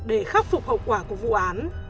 để khắc phục hậu quả của vụ án